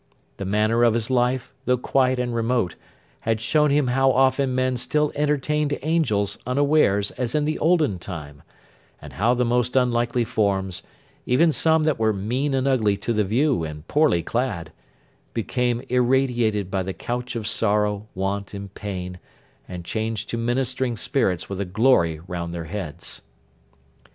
The manner of his life, though quiet and remote, had shown him how often men still entertained angels, unawares, as in the olden time; and how the most unlikely forms—even some that were mean and ugly to the view, and poorly clad—became irradiated by the couch of sorrow, want, and pain, and changed to ministering spirits with a glory round their heads.